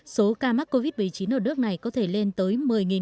số ca mắc covid một mươi chín ở đức này có thể lên tới một